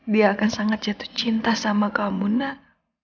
dia akan sangat jatuh cinta sama kamu nak